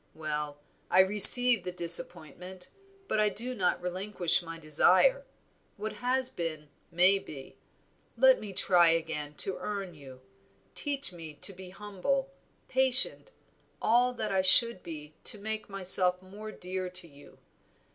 Well, I receive the disappointment, but I do not relinquish my desire. What has been may be; let me try again to earn you; teach me to be humble, patient, all that I should be to make myself more dear to you.